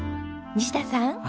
西田さん。